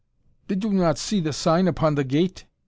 "Did you not see the sign upon the gate?"